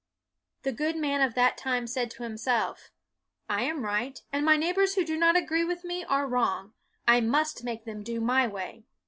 The good man of that time said to himself, " I am right, and my neighbors who do not agree with me are wrong; I must make them do my way."